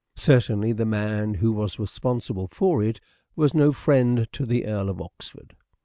Certainly the man who was responsible for it was no friend to the Earl of Oxford.